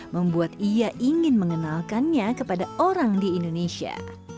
membuat ia ingin mengenalkannya kepada orang di indonesia